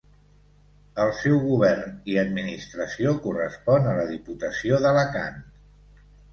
El seu govern i administració correspon a la Diputació d'Alacant.